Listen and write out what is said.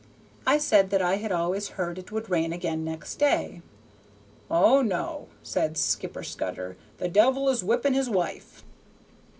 I said that I had always heard it would rain again next day. "O no," said Skipper Scudder, "the Devil is whipping his wife."